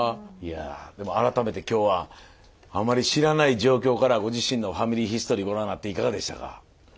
いやあでも改めて今日はあまり知らない状況からご自身の「ファミリーヒストリー」ご覧になっていかがでしたか？